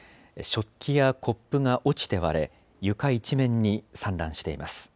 食器やコップが落ちて割れ床一面に散乱しています。